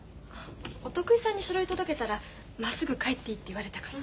お得意さんに書類届けたらまっすぐ帰っていいって言われたから。